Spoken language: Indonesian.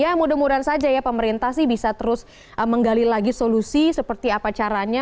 ya mudah mudahan saja ya pemerintah sih bisa terus menggali lagi solusi seperti apa caranya